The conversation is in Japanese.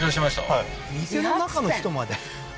はい店の中の人まで？